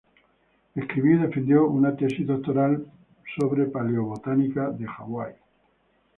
Escribió y defendió una tesis doctoral sobre paleobotánica de Hawaii.